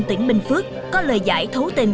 tỉnh bình phước có lời giải thấu tình